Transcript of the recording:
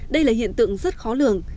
đây là hiện tượng rất khó lường